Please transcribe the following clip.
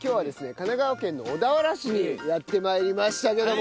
神奈川県の小田原市にやって参りましたけども。